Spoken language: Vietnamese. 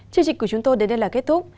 chương trình của chúng tôi đến đây là kết thúc